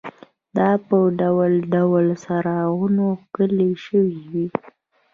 دا په ډول ډول څراغونو ښکلې شوې وې.